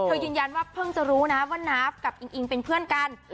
ยืนยันว่าเพิ่งจะรู้นะว่านาฟกับอิงอิงเป็นเพื่อนกัน